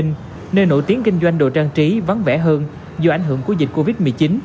nơi nổi tiếng kinh doanh đồ trang trí vắng vẻ hơn do ảnh hưởng của dịch covid một mươi chín